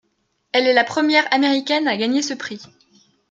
Elle est la première Américaine à gagner ce prix.